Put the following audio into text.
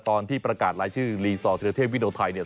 ตอนที่ประกาศลายชื่อลีซอเทียบเทพวิดีโอไทย